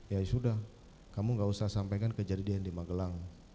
ya sudah kamu gak usah sampaikan kejadian di magelang